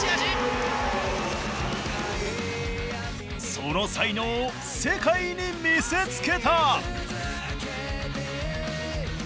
その才能を世界に見せつけた。